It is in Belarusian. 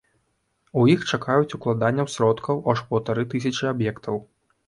У іх чакаюць укладанняў сродкаў аж паўтары тысячы аб'ектаў.